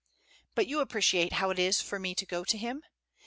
But you appreciate how it is for me to go to him.